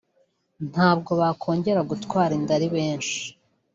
ntabwo bakongera gutwara inda ari benshi